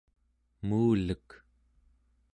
emulek